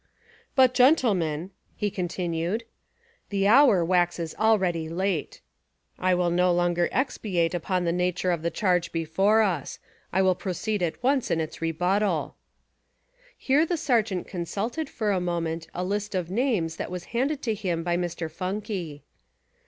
"But, gentlemen," he continued, "the hour waxes already late. I will no longer expatiate upon the nature of the charge before us. I will proceed at once in its rebuttal." Here the Sergeant consulted for a moment a hst of names that was handed to him by Mr. Phunkey.